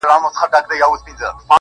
زه د رنگونو د خوبونو و زوال ته گډ يم,